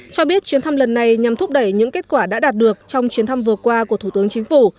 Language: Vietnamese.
cho biết chuyến thăm lần này nhằm thúc đẩy những kết quả đã đạt được trong chuyến thăm vừa qua của thủ tướng chính phủ